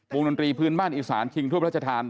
ดนตรีพื้นบ้านอีสานชิงทั่วพระราชทาน